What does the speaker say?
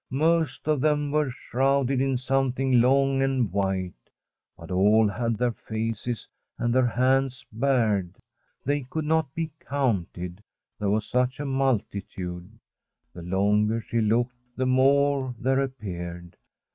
Most of them were shrouded in something long and white, but all had their faces and their hands bared. They could not be counted, there was such a multitude. The longer she looked, the more there appeared.